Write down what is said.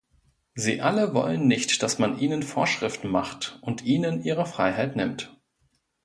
Sie alle wollen nicht, dass man ihnen Vorschriften macht, und ihnen ihre Freiheit nimmt.